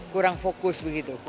kurang fokus begitu kurang fokus